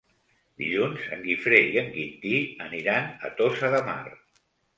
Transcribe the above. Dilluns en Guifré i en Quintí aniran a Tossa de Mar.